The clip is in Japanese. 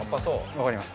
わかります